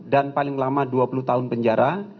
dan paling lama dua puluh tahun penjara